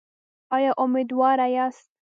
ایا امیدواره یاست؟